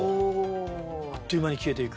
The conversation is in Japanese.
あっという間に消えていく。